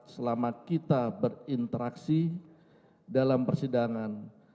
selama kita berinteraksi dalam persidangan